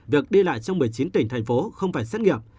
việc đi lại trong một mươi chín tỉnh thành phố không phải xét nghiệm